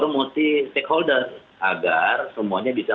multi stakeholder agar semuanya bisa